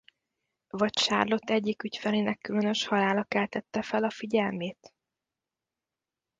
Vagy Charlotte egyik ügyfelének különös halála keltette fel a figyelmét?